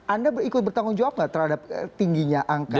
anda ikut bertanggung jawab nggak terhadap tingginya angka sebelas juta itu